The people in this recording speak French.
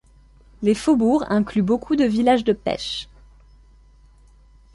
Les faubourgs incluent beaucoup de villages de pêche.